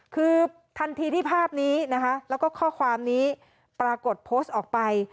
คือทันทีที่ภาพนี้นะคะแล้วก็ข้อความนี้ปรากฏโพสต์ออกไป